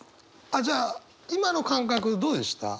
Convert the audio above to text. あっじゃあ今の感覚どうでした？